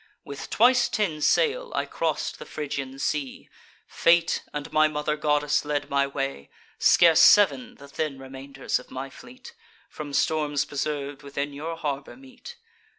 With twice ten sail I cross'd the Phrygian sea; Fate and my mother goddess led my way. Scarce sev'n, the thin remainders of my fleet, From storms preserv'd, within your harbour meet.